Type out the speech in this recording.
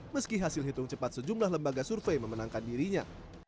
meski hasil hitung cepat sejumlah lembaga survei memenangkan dirinya